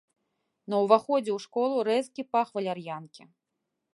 На ўваходзе ў школу рэзкі пах валяр'янкі.